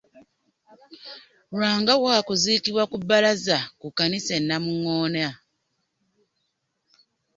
Lwanga wa kuziikibwa ku bbalaza ku kkanisa e Namungoona el